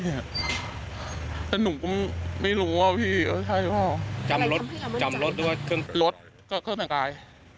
รถก็เครื่องสังกาย